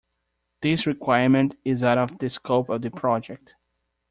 This requirement is out of the scope of the project.